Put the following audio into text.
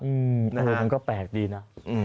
เออมันก็แปลกดีนะ